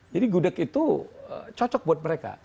gudeg itu cocok buat mereka